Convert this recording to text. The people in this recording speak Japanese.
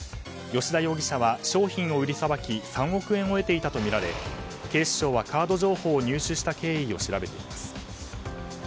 吉田容疑者は商品を売りさばき３億円を得ていたとみられ警視庁はカード情報を入手した経緯を調べています。